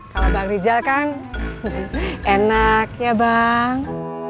kalau bang rizal kan enak ya bang